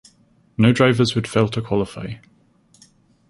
No drivers would fail to qualify.